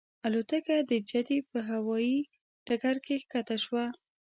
الوتکه د جدې په هوایي ډګر کې ښکته شوه.